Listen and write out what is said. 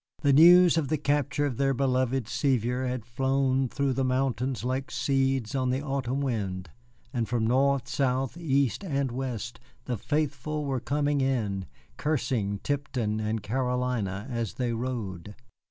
The news of the capture of their beloved Sevier had flown through the mountains like seeds on the autumn wind, and from north, south, east, and west the faithful were coming in, cursing Tipton and Carolina as they rode.